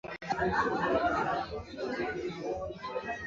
wakati Waruri wengi ni mchanganyiko wakiwemo na Waislamu